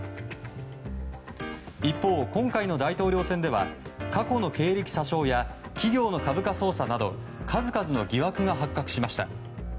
一方、今回の大統領選では過去の経歴詐称や企業の株価操作など数々の疑惑が発覚しました。